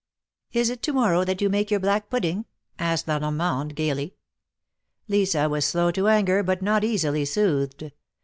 ^^Is it to morrow that you make your black pudding asked La Norraande, gayly. Lisa was slow to anger, but not easily soothed.